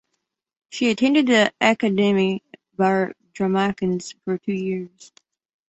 She attended the Akademie vir Dramakuns for two years.